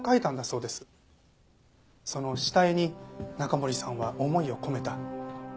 その下絵に中森さんは思いを込めた。